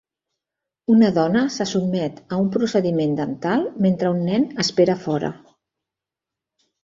Una dona se sotmet a un procediment dental mentre un nen espera a fora.